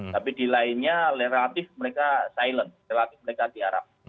tapi di lainnya relatif mereka silent relatif mereka tiarap